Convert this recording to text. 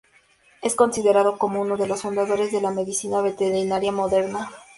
Es considerado como uno de los fundadores de la medicina veterinaria moderna.